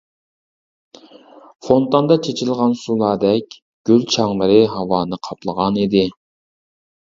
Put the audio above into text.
فونتاندا چېچىلغان سۇلاردەك گۈل چاڭلىرى ھاۋانى قاپلىغان ئىدى.